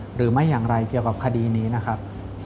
หรือไม่อย่างไรเกี่ยวกับคดีนี้นะครับ